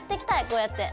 こうやって。